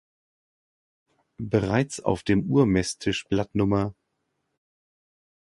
Bereits auf dem Urmesstischblatt Nr.